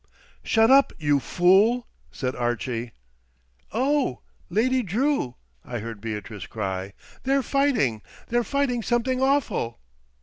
"Shut up, you fool!" said Archie. "Oh, Lady Drew!" I heard Beatrice cry. "They're fighting! They're fighting something awful!"